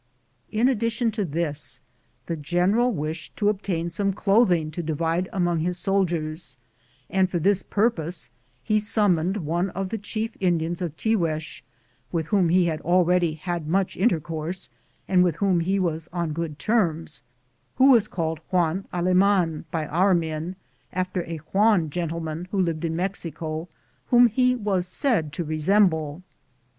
In addition to this, the general wished to obtain some clothing to divide among his soldiers, and for this purpose he summoned one of the chief Indians of Tiguex, with whom he had already had much intercourse and with whom he was on good terms, who was called Juan Aleman by our men, after a Juan gentleman who lived in Mexico, whom he was said to resemble.